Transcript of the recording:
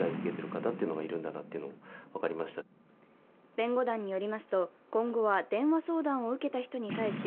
弁護団によりますと、今後は電話相談を受けた人に対し